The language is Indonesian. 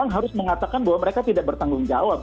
harus mengatakan bahwa mereka tidak bertanggung jawab